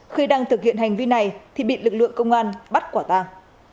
khi đang thực hiện hành vi này thì bị lực lượng công an bắt quả tàng